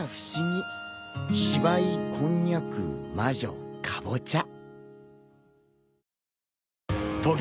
芝居こんにゃく魔女カボチャ。